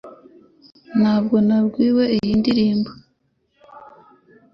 Ntabwo ndambiwe iyi ndirimbo